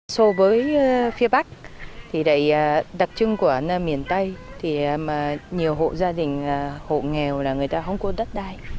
so với phía bắc thì đặc trưng của miền tây thì nhiều hộ gia đình hộ nghèo là người ta không có đất đai